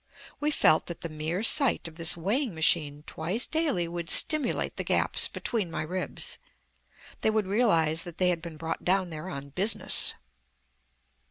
We felt that the mere sight of this weighing machine twice daily would stimulate the gaps between my ribs. They would realize that they had been brought down there on business.